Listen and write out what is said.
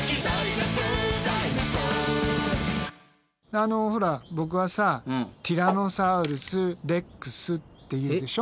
あのほらボクはさティラノサウルス・レックスっていうでしょ。